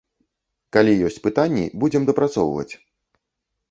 Калі ёсць пытанні, будзем дапрацоўваць.